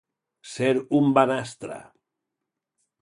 Ser un banastra.